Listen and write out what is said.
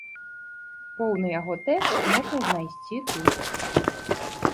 Поўны яго тэкст можна знайсці тут.